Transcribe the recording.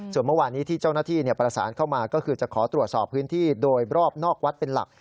ส่วนเมื่อวานี้ที่เจ้าหน้าที่ประสานเข้ามาก็คือจะขอตรวจสอบพื้นที่โดยรอบนอกวัดเป็นหลัก